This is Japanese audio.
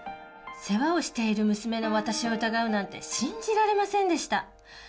世話をしている娘の私を疑うなんて信じられませんでした。